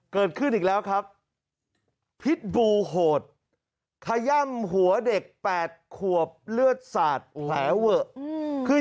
เกิดขึ้นอีกแล้วครับพิษบูหดขย่ำหัวเด็กแปดขวบเลือดสัตว์แหวเว่ครึ่งเอง